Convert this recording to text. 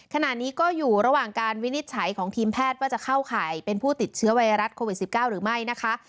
ขณะนี้ก็อยู่ระหว่างการวินิจฉัยของทีมแพทย์ว่าจะเข้าข่ายเป็นผู้ติดเชื้อไวรัสโควิด๑๙หรือไม่นะคะ